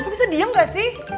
lo bisa diem gak sih